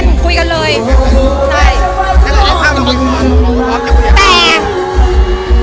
เรียกว่า